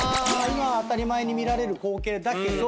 今は当たり前に見られる光景だけれども。